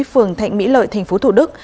phường thạnh mỹ lợi thành phố thủ đức